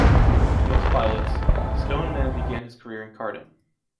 As most pilots, Stoneman began his career in karting.